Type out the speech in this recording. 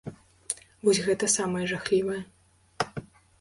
Вось гэта самае жахлівае.